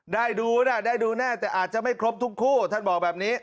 ดูนะได้ดูแน่แต่อาจจะไม่ครบทุกคู่ท่านบอกแบบนี้